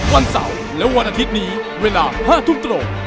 วันเสาร์และวันอาทิตย์นี้เวลา๕ทุ่มตรง